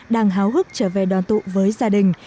đang háo hức trở về đoàn tụ với gia đình